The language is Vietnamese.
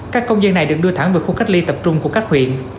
các công dân này được đưa thẳng về khu cách ly tập trung của các huyện